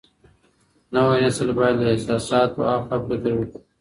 نوی نسل بايد له احساساتو هاخوا فکر وکړي.